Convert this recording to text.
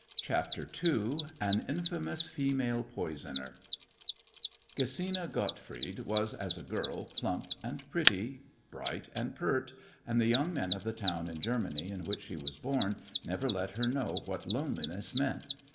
CHAPTER II AN INFAMOUS FEMALE POISONER Gesina Gottfried was, as a girl, plump and pretty, bright and pert, and the young men of the town in Germany in which she was born never let her know what loneliness meant.